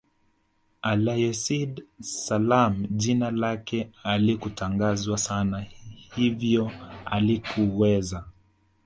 Alayhis Salaam jina lake halikutangazwa sana hivyo halikuweza